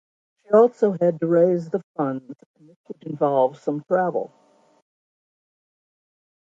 She also had to raise the funds and this would involve some travel.